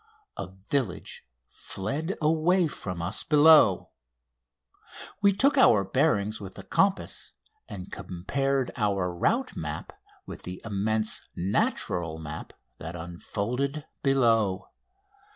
A village fled away from us below. We took our bearings with the compass, and compared our route map with the immense natural map that unfolded below.